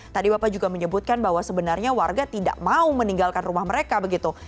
tadi bapak juga menyebutkan bahwa sebenarnya warga tidak mau meninggalkan rumah mereka begitu